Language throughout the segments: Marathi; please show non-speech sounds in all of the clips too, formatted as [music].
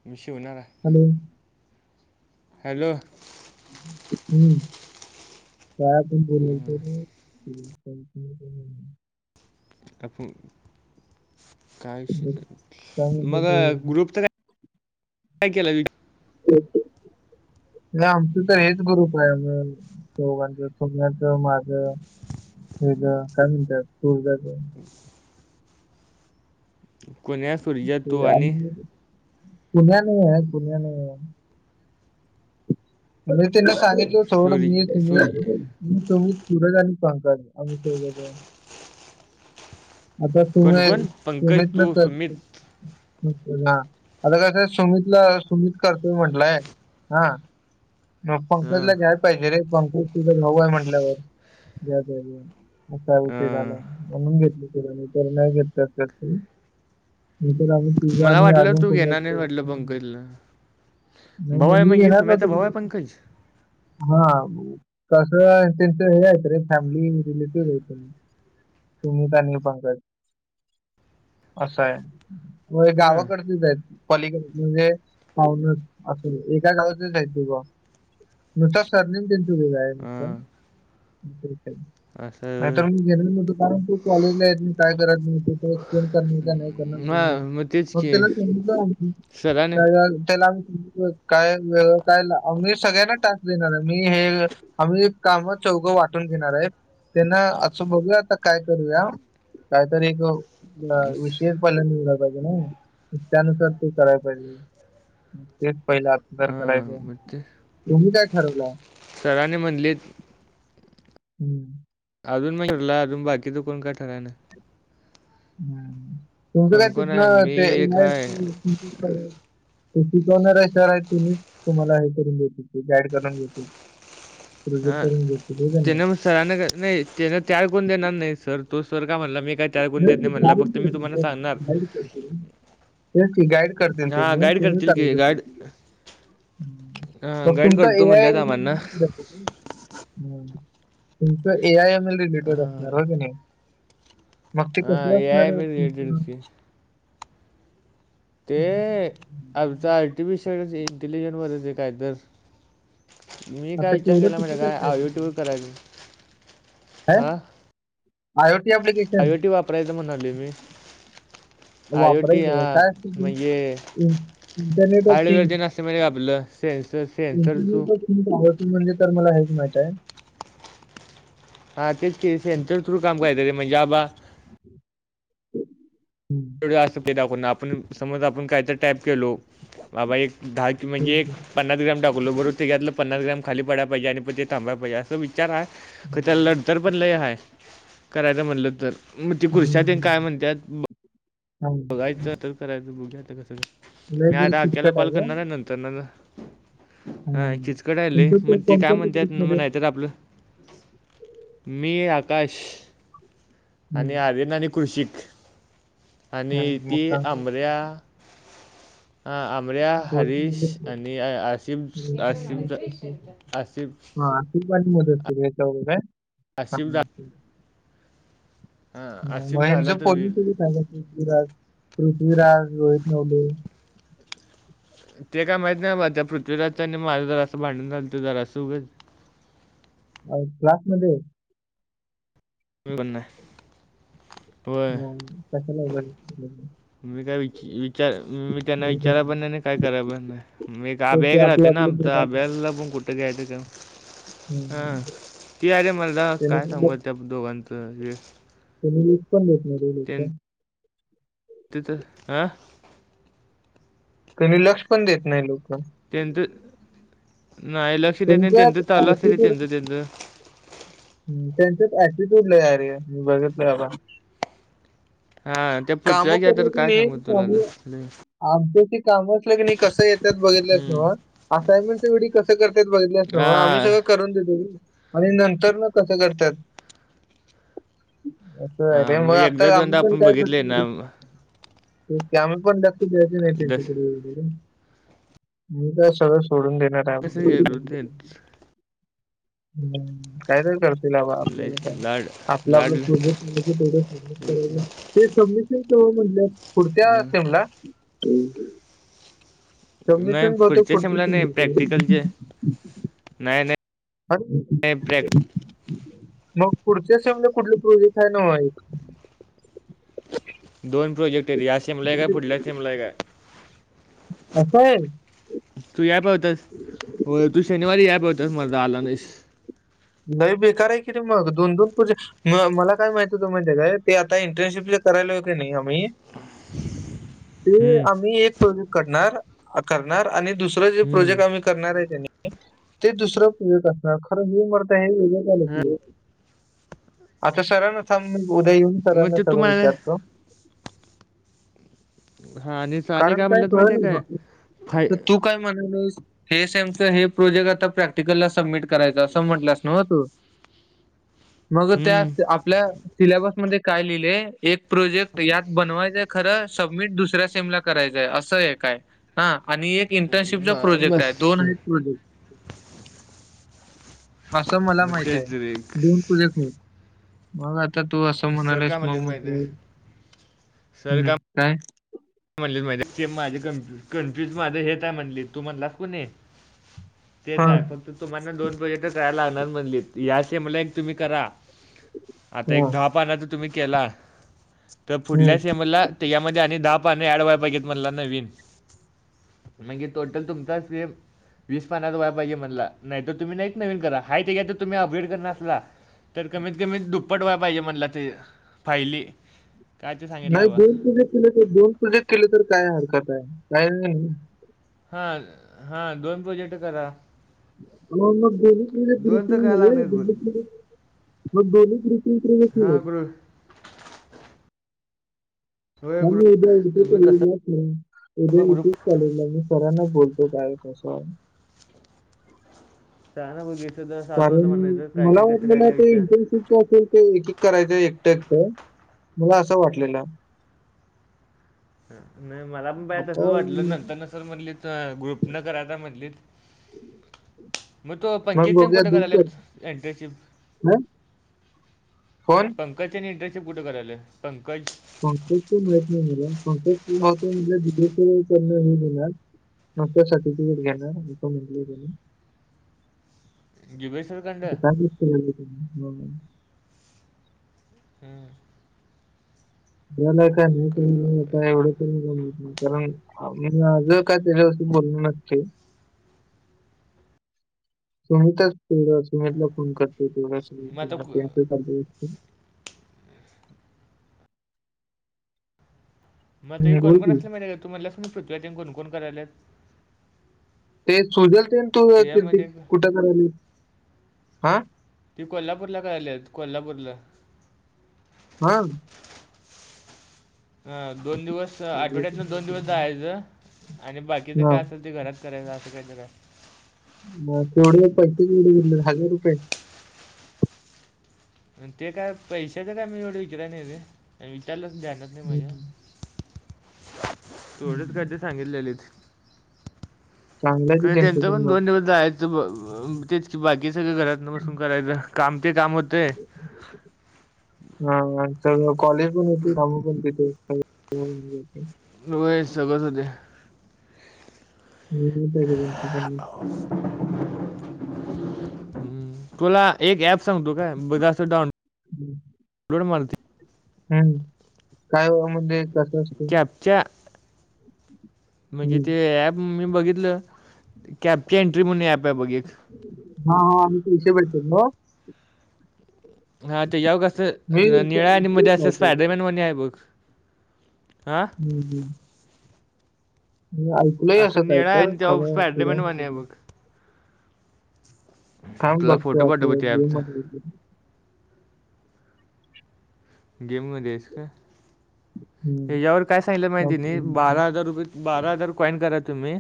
[unintelligible] वनारा आणि हॅलो. हम्, काय आपण बोलत होतो रे [unintelligible] आपण काय विशय, [unintelligible] म्हणते मग ते ग्रुपच काय? काय केलं [unintelligible] [unintelligible] नाही आमचं तर हेच ग्रुप आहे, आ [unintelligible] चौघांचं सोन्याच माझं. [unintelligible] कुण्यास ते आ [unintelligible] पुण्या नाही आहे पुण्या नाहीये. अरे तिनं सांगितलं सोड, मी सूर्य सूर्य तम्ही मी, तुम्ही, सुरज आणि पंकज आम्ही चौघजण. आता कोण तुम्ही, कोण पंकज तुम्हीच ना तू तर? सुमित हा आता कसं सुमितला सुमित करतोय म्हंटलाय, हा. मग हं, पंकजला घ्याला पाहिजे रे पंकज तुझा भाऊ आहे म्हंटल्यावर, घ्यायला पाहिजे. असा विषय हं. झालायं. म्हणून घेतल्या खुळया नाहीतर नाही घेतलं [unintelligible] तुझं मला आणि वाटलं अजून तू घेणार नाही कुणाचं. वाटलं पंकजला नाही भाऊ मग आहे मी म्हणजे येणार सुम्याचा न्हवतो, भाऊ आहे पंकज [unintelligible] हा. कसंय त्यांच हे आहेत रे, फॅमिली रिलेटिव्ह. सुमित आणि पांकज असं आहे. होय हां गावाकडतीच आहेत. पलीकडं म्हणजे पाहूनचं, असं एका गावातलीच आहेत दोघं. नुसता सरनेम तेन दिलेलं आहे हां [unintelligible] नाही असं तर मी घेणार नव्हतो कारण तू कॉलेजला येत हां मग तेच की [unintelligible] [unintelligible] सराने त्याला काय व काय [unintelligible] मी सगळ्यांना टास्क देणार आहे मी हे, आपली काम चौघ वाटून घेणार आहे. त्यांना असं बघूया आता काय करूया. कायतरी एक [unintelligible] विषयच पहिल्या मिला पाहिजे ना. त्यानुसार ते कराय पाहिजे, तेच पहिले आत् जर हां करायचं. मग तुम्ही काय ठरवलं? सरांनी म्हणलीत. हम्म. अजून [unintelligible] अजून बाकीचं कोण काय ठराय नाय. हम्म, कोण कोण आहे मी एक आहे [unintelligible] [unintelligible] आहेत तिनी तुम्हाला हे करून घेतील गाईड करून घेतील. हा त्यानं सरानं नाही त्यानं तयार करून देणार नाही, सर तो सर का म्हटला मी काय चार [inaudible] कोण देत नाही म्हणला होय फक्त मी तुम्हाला सांगणार ते गाईड करतील हा त्यांही गाईड तुम्ही करतील की करायचं असतं गाईड ते. हम्म, हा मग गाईड तुमचा करतो ए आय म्हणल्यात आम्हाला [unintelligible] हम्म तुमचं A I M L related हा असणार होय का नाही? मग ते हा कसले ए आय असणार, अं रिलेटेड तुमचं? की ते आमचा आर्टिफिशियल इंटेलिजन वरच ये कायतर. मी काय आता विचार केवढं केला किती म्हटलं, काय आ करायचं यु ट्युब करायचं. अं हां आय ओटी एप्लिक आय ओ टी वापरायचं म्हणालो मी. आय ओ टी आ वापरायचं काय असतं ते म्हणजे इंटरनेट ऑफ हार्डवेअर थिंग्स तेन असतं माहितेय का आपलं? सेन्सर- सेन्सर, थ्रू [unintelligible] तर मला हेच माहित आहे. हां तेच की सेंटर थ्रू काम करायचं म्हणजे आबा हम्म, आसलं की दाखवणार, आपण समज आपण काहीतरी टाइप केलो बाबा एक, दहा की म्हणजे एक हम्म, पन्नास ग्राम टाकलो त्याच्यातलं पन्नास ग्राम खाली पडाय पाहिजे आणि मग ते थांबाय पाहिजे असं विचार आहे खरं त्याला हम्म. लनंतर पण लैय हाय करायचं म्हणलं तर. म ति खुरशातिन काय हम्म. म्हणतीयात म [unintelligible] खायचं तर करायचं बघूया आता कसं तर लय मी जर आता अक्याला किचकट कॉल का करणार आहे नंतरन तर हम्म, हां हम्म. किचकट आहे लैय तुमचं ते मग ती काय कोणत्या म्हणत्यात म ग्रुपमध्ये नाहीतर आपलं मी आकाश आणि आर्यन आणि कृशिक आणि मग ती चांगलं आमऱ्या हं अमऱ्या, हां, हरीश आणि अ आसिफ आसिफच, आसिफ आसिफ झा [inaudible] हा म आसिफ झाला [unintelligible] तर होईल पृथ्वीराज पृथ्वीराज, रोहित नवले ते काय माहित नाही बा त्या पृथ्वीराजचं आणि माझं जरासं भांडन झालंत जरासं उगंच अ क्लासमध्ये? [inaudible] होय [unintelligible] कशाला उगच [unintelligible] मी काय विच विचार मी त्यांना विचाराय पण नाही, आणि काय कराय पण नाही. मी त ते अभ्या ते एक आपलं राहतोय ना आपलं आमचा बघायचं. अभ्याला पण कुठं घ्यायचं घेऊ. हं, हा ती अरे मर्दा त्यांनी काय पण सांगू लक्ष त्या दोघांचं हे [inaudible] तिचं हां? कधी लक्ष पण देत नाही लोकं. त्यानंच नाही लक्ष देत नाही, त्यांचं त्यांच्यात चालू असतंय ते त्यांच- त्यांच. हम्म त्यांच्यात ऍटिट्यूड लै आहे रे मी बघितलोय बाबा. हा त्या कामं पृथ्व्याचा तर काय सांगू तुला तर लै. [unintelligible] काम असलं कणी कसं ये त्यात बघितलयास हं. नव्हं, असानमेंटच्या वेळी कसं करत्यात बघितलयास नव्हं, आम्ही हां, सगळं करून देतो. आणि नंतर मग कसं करत्यात? असं आहे रे हां, मग एकदा आता आम्ही दोनदा पण आपण बघितलंय ना काय [unintelligible] तेच की आम्ही दस पण [unintelligible] मी तर सगळं सोडून देणार आहे बाबा. [inaudible] हम्म कायतरी करतील बाबा, लय आपल्याला काय लाड आपलं लाड आपलं ते सबमीशनच कवा आय म्हणल्यात, पुढच्या हं. असेमला नाही सबमिशन बहुतेक पुढच्या सेमला नाही सेमीस्टर ला प्रॅक्टिकलचे नाही नाही अरे नाही प्रॅक मग, पुढच्या सेमला कुठला प्रोजेक्ट आहे नव एक? दोन प्रोजेक्ट आहेत, या सेमले एक आहे, फुडल्या सेमला एक आहे. आता आहे? तू याय पाहिजे होतास होय तू शनिवारी याय पाहिजे होतास मर्दा आला नाहीस. लय बेकार आहे कि रे मग दोन दोन प्रोजेक्टस म मला काय माहिती होते माहितेय का? ते आता एंट्रन्सशिप जे करायलोय कणी आम्ही [inaudible] ते हं, आम्ही एक प्रोजेक्ट करणार अ करणार आणि दुसरं जे हं. प्रोजेक्ट आम्ही करनार आहे कनी, ते दुसर असणार हे आता सर ना उद्या येऊन मग सरांना ते सगळं तुम्हाला विचारतो. हां आणि आणि कारण काय त, म्हणलात माहिती तूऽ आहे काय फाय [unintelligible] तु काय म्हणालायस, हे सेमच हे प्रोजेक्ट आता प्रॅक्टिकलला सबमिट करायचं, असं म्हटलास असं न तु मग त्या, हं. आपल्या सिलॅबस मध्ये काय लिहिलंय हे एक प्रोजेक्ट यात बनवायचा. खरं, सबमिट दुसऱ्या सेमला करायचंय, असं एकय आहे, आणि एक एंट्रन्स शिफ्टचा नाही, प्रोजेक्ट आहे, दोन मस्त हाईत प्रोजेक्ट असं मला मग माहित आहे, तेच रे दोन प्रोजेक्ट हाईत. मग आता तू असं सर म्हणालास काय मग म्हणलेत माहिती आहे म्हटलं, हम्म काय? म्हणले ते माझे क कन्फ्यूज माझे हे काय म्हटली, तू म्हणलास का नाही. तेेच हां, आहे, फक्त तुम्हाला दोन प्रोजेक्ट तसं करायला लागणार म्हटलीत, या सेमला तुम्ही एक करा, हां, आता पाण्याचं तुम्ही केला तर हं. पुड्या सेमला त्यामधी आणि दहा पान आणि ॲड व्हायला पायजित म्हणला नवीन, म्हणजे टोटल तुमचा वीस पानाच व्हाय पाहिजे म्हणला, नाही तर तुम्ही नाही नवीन करा, हाय ते तर तुम्ही अपग्रेड करणार असला तर कमीत कमीत दुप्पट व्हायला पाहिजे म्हणला, ते फायली काय ते सांगितलं नाही हवा दोन प्रोजेक्ट केले तर दोन प्रोजेक्ट केले तर काय हरकत आहे, काही नाही हा हा, दोन प्रोजेक्ट करा. दोन्ही मग दोन तर ग्रुपिंग काय लागणार बघ आहे, मग दोन्ही ग्रपिंग हा ग्रुप [unintelligible] होय उद्या ग्रुप तुम्ही कसं पण ग्रुप येतोय कॉलेज ला मी. सरांनाच बोलतो, काय कसं आहे? सरांना बघुयात कारण, मला वाटलेल ना ते विचार एंट्रन्स शिप असेल ते एक करायचंय, एकटं एकटं मला असं वाटलेलं. [unintelligible] नाही, मला पण पयला तसंच आता वाटल, नंतर नसल म्हटली तर ग्रुप न करायचा म्हटली म तो मग पंकज संग बघूया कुठे कराल्यात, एंटरशिप. कोण? पंकज [unintelligible] इंटरेशिप कुठं करायल्यात, पंकज पंकजच माहित नाही मला, [unintelligible] मग ते सर्टिफिकेट घेणार, तस म्हंटल तीनी. जुगेश्वर कंड? [unintelligible] हम्म. [unintelligible] मी आज काय त्याच्यावर बोललो नसतो. सुमितच सुमितला फोन करतो. मग आता कु- [unintelligible] मग ते मी बोल कोण कोण की असल्या माहीत ये का तु म्हणलासना उदघाटन कोण कोण करायलात. ते सुजल ते न तू त्याच्यामध्ये कुठं करायली हा. ती कोल्हापूर ला करायलात कोल्हापूरला हा.. अ दोन दिवस आठवड्यातन दोन दिवस जायचं आणि बाकीचं हा काय असेल ते घरात [unintelligible] मग केवढे पैसे दिले हजार रुपये? ते काय पैशाच का मी एवढे विचारय नाही रे. विचारल तर ध्यानात नाही माझ्या. हम्म, थोडच काय हम्म. ते सांगितलेले. चांगलं आहे की खरं त्यांच त्यांचं पण मग दोन दिवस जायाच ब अअ तेचकी बाकी सगळं घरात न बसून करायच, काम ते काम होतंय हा हा कॉलेज पण तिथे, काम पण तिथे. होय, होय. व्हय सगळंच होतय. [unintelligible] [unintelligible] हम्म. तुला एक ऍप सांगतो काय बघ अस डाउनलोड, मारतो. हम्म, काय व म्हणजे कसं असतं? च्या म्हणजे हम्म. ते ॲप मी बघितलं, कॅपची एंट्री म्हणून ऍप आहे बघ एक. हा हा आम्ही. [unintelligible] हा तेच्यावर कस मी निळा आणि मध्ये असं हम्म, स्पायडरमॅन मध्ये आहे बघ हा. हम्म हम्म. मी ऐकलंय असं काय निळा आहे तर आणि त्यावर खरं पुढे स्पायडरमॅन वाणी आहे बघ थांब तुला बघतो फोटो अस पाठवतो त्या ॲपचा गेममध्ये ये. गेममध्ये आहेस काय? हम्म. याच्यावर काय सांगितलंय माहिती थांब. त्यांनी हम्म. बारा हजार रुपये बारा हजार कॉईन करा तुम्ही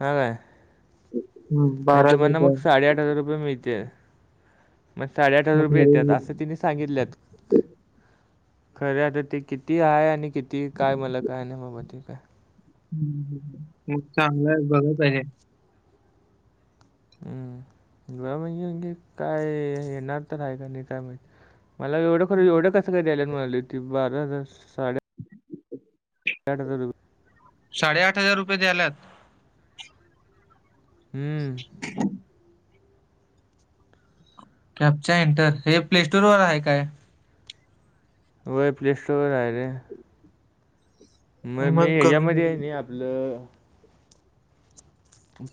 हा काय हम्म, आणि बारा हजार तुम्हाना मग कॉइन साडेआठ हजार रुपये मिळतील. मग साडे आठ हजार रुपये येतात असं तिने सांगितल्यात खर आता ते किती आहे आणि किती काय मला काय नाही बाबा ते काय हमम मग चांगलं आहे बघाया पाहिजे. हम्म ब म्हणजे म्हणे काय येणार तर आहे का नाही काय माहित. मला एवढं खरं एवढं कसं काय द्यायला म्हणाली ती बारा हजार साडे आठ हजार रुप. साडेआठ हजार रुपये द्याल्यात. हम्म. [inaudible] कॅपच्या एंटर, हे प्लेस्टोर वर आहे काय? व्हय, प्लेस्टोर वर आहे रे मग मी करून हच्यामध्ये हाय बघू. नी आपलं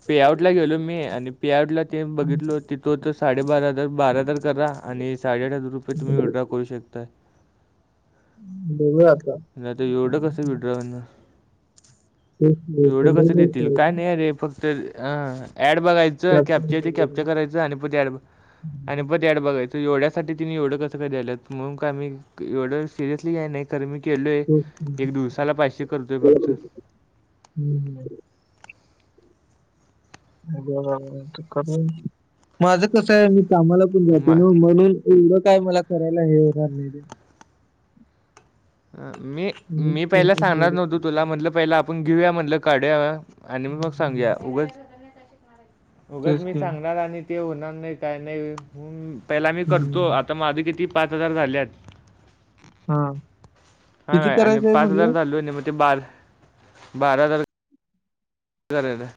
पेआउटला गेलो मी, आणि पेआउटला ते बघितलो तिथं होत, साडेबारा हजार, बारा हजार करा, आणि साडेआठ हजार रुपये तुम्ही विड्रॉ करू शकता. बगु आता. आता, एवढं कसं विड्राव होणार तेच ते- ते एवढं लई कसं पैसे देतील, काय रे. नाही आहे अरे, फक्त अ ऍड बघायचं च कॅप्च च्या येतोय कॅप्च वगैरे. करायच आणि परत ॲड आणि परत ॲड बघायचं, एवढ्यासाठी तिने एवढं कसं द्यायल्यात, मग काय मी एवढं सिरियसली घ्याय नाही तरी मी केलोय, तेच ते. एक दिवसाला पाचशे करतोय फक्त. हम्म. [unintelligible] माझं कस हय, मी कामालापण जातो मा ना म्हणून एवढं काय मला करायला हे होणार नाही रे. मीच मी-मी पहिला करतो सांगणार तेवढं. नव्हतो तुला, म्हटल पहिला आपण घेऊया म्हटल काढूया आणि मग हम्म. सांगूया, उगच, उगच तेच मी की. सांगणार आणि ते होणार नाही काय नाही, पहिला मी करतो. हम्म. आता माझं किती पाच हजार झाल्यात हा. हा काय, आणि पाच हजार झालो मग ते, बारा, बारा हजार झालंय ना.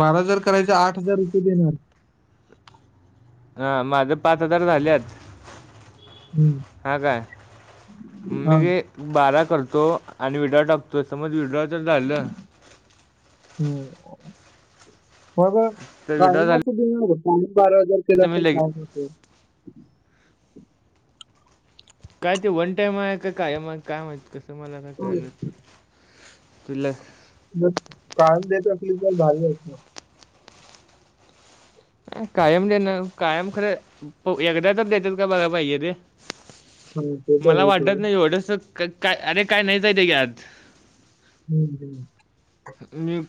बारा हजार करायचा. आठ हजार रुपये देणार? हा, माझ पाच हजार झाल्यात हं. हा काय, मी हां. जे बारा करतो, आणि विड्रॉ टाकतो, समज विड्रॉ तर झालं. हम्म, तर काय विड्रॉ मग झालं श्रावण [unintelligible] आणि बारा हजार केलास तर मी लगेच काय होतय. काय ते वन टाइम हाय, का काय वन काय कसं मला काय कळेना. तुल. बग, बराच देत असलीत तर झालंच मग. कायम देणं, कायम खरं, प एकदा का देतात का बघाय पाहिजे रे हं. ते तर मला आहे वाटत सोड. नाय एवढस, क काय अरे काय नाहीच हाय त्याच्यात. हम्म-हम्म. निग.